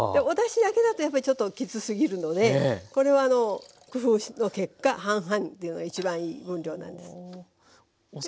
おだしだけだとやっぱりちょっときつすぎるのでこれはあの工夫の結果半々っていうのが一番いい分量なんです。